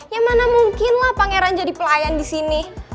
ya mana mungkin lah pangeran jadi pelayan disini